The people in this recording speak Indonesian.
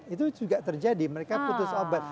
itu juga terjadi mereka putus obat